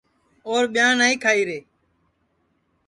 اور ٻیاں نائی کھائی رے